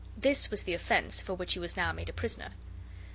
This was the offense for which he was now made a prisoner.